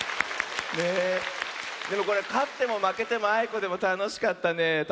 でもこれかってもまけてもあいこでもたのしかったねえ。